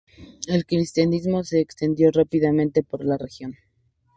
El cristianismo se extendió rápidamente por la región.